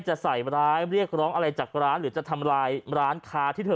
จะใส่ร้ายเรียกร้องอะไรจากร้านหรือจะทำลายร้านค้าที่เธอ